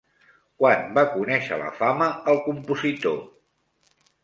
Quan va conèixer la fama el compositor?